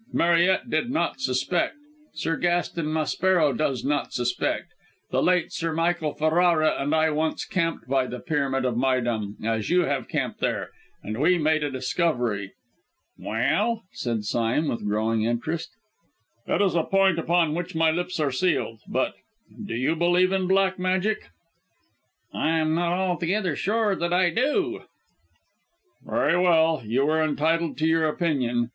Mariette did not suspect; Sir Gaston Maspero does not suspect! The late Sir Michael Ferrara and I once camped by the Pyramid of Méydûm, as you have camped there, and we made a discovery " "Well?" said Sime, with growing interest. "It is a point upon which my lips are sealed, but do you believe in black magic?" "I am not altogether sure that I do " "Very well; you are entitled to your opinion.